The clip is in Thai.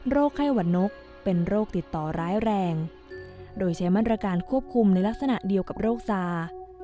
ไข้หวัดนกเป็นโรคติดต่อร้ายแรงโดยใช้มาตรการควบคุมในลักษณะเดียวกับโรคซา